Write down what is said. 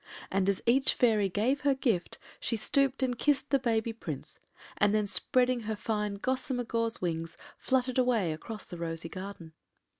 And as each fairy gave her gift she stooped and kissed the baby Prince, and then spreading her fine gossamer gauze wings, fluttered away across the rosy garden.